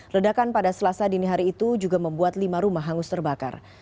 ledakan pada selasa dini hari itu juga membuat lima rumah hangus terbakar